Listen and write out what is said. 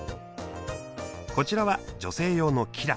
こちらは女性用のキラ。